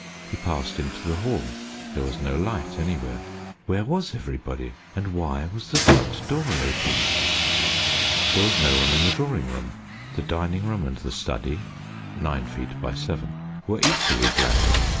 He passed into the hall. There was no light anywhere. Where was everybody, and why was the front door open? There was no one in the drawing room, the dining room and the study (nine feet by seven) were equally blank.